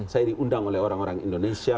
saya diundang oleh orang orang indonesia